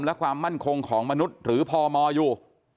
และความมั่นคงของมนุษย์หรือพมอยู่